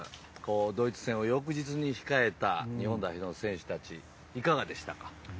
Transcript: ドイツ戦を翌日に控えた日本代表選手たちいかがでしたか。